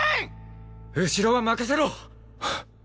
後ろは任せろ！